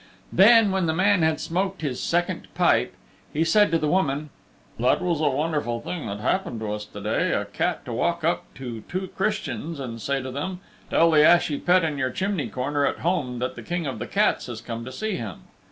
Then when the man had smoked his second pipe, he said to the woman: "That was a wonderful thing that happened to us to day. A cat to walk up to two Christians and say to them, 'Tell the ashy pet in your chimney corner at home that the King of the Cats has come to see him.